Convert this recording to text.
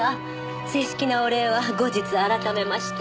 正式なお礼は後日改めまして。